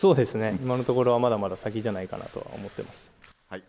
今のところはまだまだ先じゃないかなとは思っています。